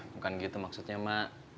bukan gitu maksudnya mak